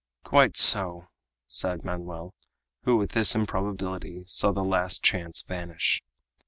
"Quite so!" sighed Manoel, who, with this improbability, saw the last chance vanish.